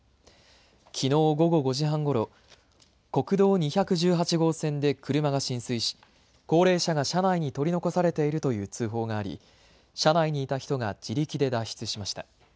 きのう午後５時半ごろ国道２１８号線で車が浸水し高齢者が車内に取り残されているという通報があり車内にいた人が自力で脱出しました。